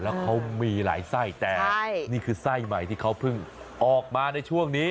แล้วเขามีหลายไส้แต่นี่คือไส้ใหม่ที่เขาเพิ่งออกมาในช่วงนี้